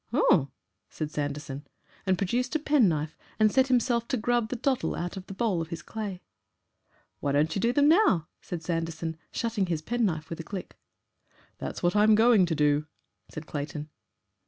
"Oh!" said Sanderson, and produced a penknife and set himself to grub the dottel out of the bowl of his clay. "Why don't you do them now?" said Sanderson, shutting his pen knife with a click. "That's what I'm going to do," said Clayton.